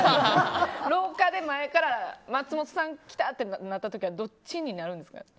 廊下で前から松本さん来たってなった時はどっちになるんですか？